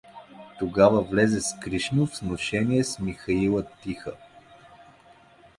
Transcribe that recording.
Тогава влезе скришно в сношение с Михаила Тиха.